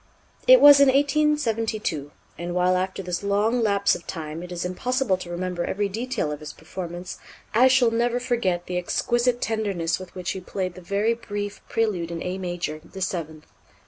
It was in 1872; and while after this long lapse of time it is impossible to remember every detail of his performance, I shall never forget the exquisite tenderness with which he played the very brief Prélude in A major, the seventh.